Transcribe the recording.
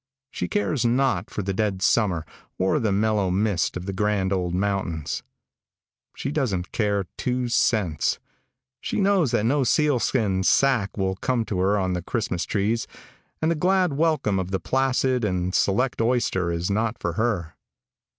She cares not for the dead summer or the mellow mist of the grand old mountains. She doesn't care two cents. She knows that no sealskin sacque will come to her on the Christmas trees, and the glad welcome of the placid and select oyster is not for her.